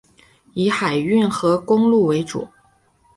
以海运和公路为主。